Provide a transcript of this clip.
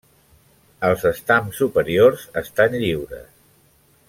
Els estams superiors estan lliures.